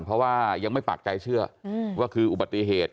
เพราะว่ายังไม่ปากใจเชื่อว่าคืออุบัติเหตุ